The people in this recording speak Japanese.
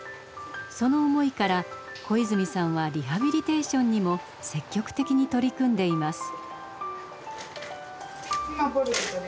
その思いから小泉さんはリハビリテーションにも積極的に取り組んでいます。